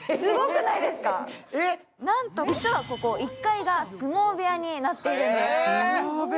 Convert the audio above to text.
なんと実はここ、１階が相撲部屋になっているんです。